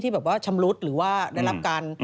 แบบว่าชำรุดหรือว่าได้รับการ